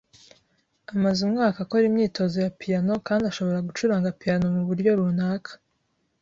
Amaze umwaka akora imyitozo ya piyano kandi ashobora gucuranga piyano muburyo runaka.